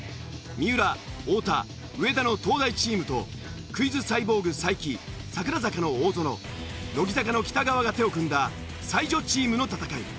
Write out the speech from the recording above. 三浦太田上田の東大チームとクイズサイボーグ才木櫻坂の大園乃木坂の北川が手を組んだ才女チームの戦い。